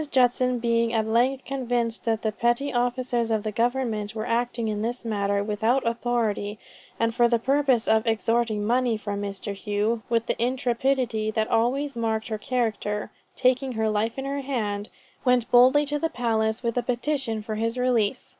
Judson being at length convinced that the petty officers of government were acting in this matter without authority, and for the purpose of extorting money from Mr. Hough, with the intrepidity that always marked her character, "taking her life in her hand", went boldly to the palace with a petition for his release.